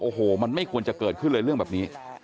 โอ้โหมันไม่ควรจะเกิดขึ้นเลยเรื่องแบบนี้